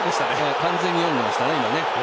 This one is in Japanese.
完全に読んでましたね。